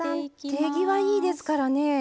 手際がいいですからね。